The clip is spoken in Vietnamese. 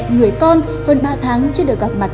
người con hơn ba tháng chưa được gặp mặt